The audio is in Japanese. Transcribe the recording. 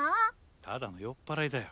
ただの酔っ払いだよ。